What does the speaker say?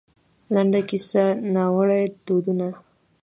لـنـډه کيـسـه :نـاوړه دودونـه